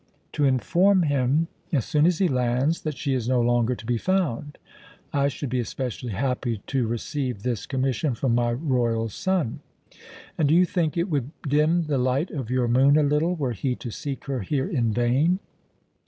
"To inform him, as soon as he lands, that she is no longer to be found. I should be especially happy to receive this commission from my royal sun." "And do you think it would dim the light of your moon a little, were he to seek her here in vain?"